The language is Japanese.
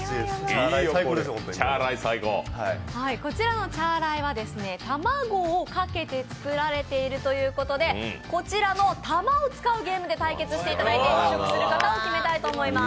こちらのチャーライは卵をかけて作られてるということでこちらの球を使うゲームで対決していただいて試食していただく方を決めます。